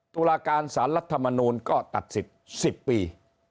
ตุลาการสารรัฐมนูลก็ตัดสิทธิ์๑๐ปี